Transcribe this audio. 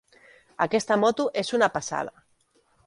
Aquesta moto és una passada.